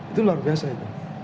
itu luar biasa ya